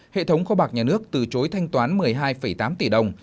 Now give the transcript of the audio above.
hệ thống kho bạc nhà nước từ chối thanh toán một mươi hai tám tỷ đồng